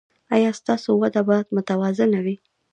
ایا ستاسو وده به متوازنه وي؟